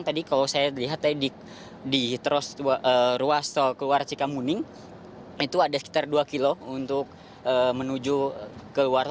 tadi kalau saya lihat tadi di ruas tol keluar cikamuning itu ada sekitar dua kilo untuk menuju ke luar